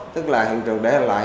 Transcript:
tức là hiện trường để lại